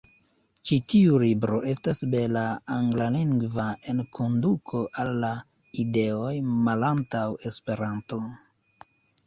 Ĉi tiu libro estas bela anglalingva enkonduko al la ideoj malantaŭ Esperanto.